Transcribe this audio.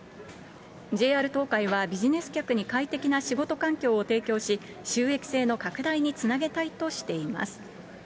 ＪＲ東海は、ビジネス客に快適な仕事環境を提供し、収益性の拡大につなげたいとしています。